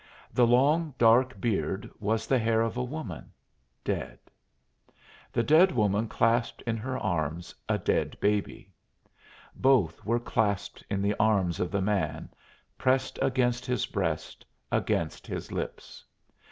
The long dark beard was the hair of a woman dead. The dead woman clasped in her arms a dead babe. Both were clasped in the arms of the man, pressed against his breast, against his lips.